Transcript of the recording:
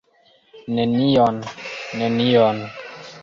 Nenion, nenion!